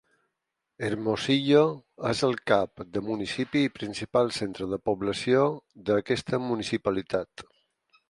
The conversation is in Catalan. Hermosillo és el cap de municipi i principal centre de població d'aquesta municipalitat.